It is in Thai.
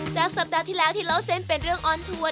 สัปดาห์ที่แล้วที่เล่าเส้นเป็นเรื่องออนทัวร์